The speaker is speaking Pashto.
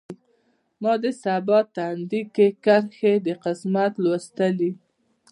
ما د سبا تندی کې کرښې د قسمت لوستلي